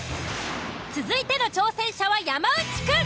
続いての挑戦者は山内くん。